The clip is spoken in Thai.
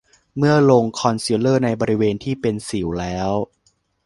เมื่อลงคอนซีลเลอร์ในบริเวณที่เป็นสิวแล้ว